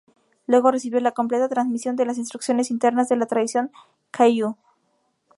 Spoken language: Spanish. Luego recibió la completa transmisión de las instrucciones internas de la tradición Kagyu.